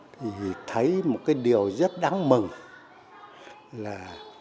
tôi thấy một điều rất đáng mừng là